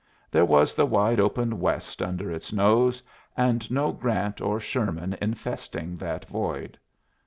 There was the wide open West under its nose, and no Grant or Sherman infesting that void.